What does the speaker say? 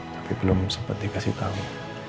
tapi belum sempat dikasih tahu